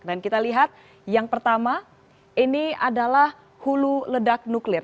dan kita lihat yang pertama ini adalah hulu ledak nuklir